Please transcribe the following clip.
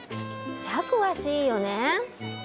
じゃあ詳しいよね。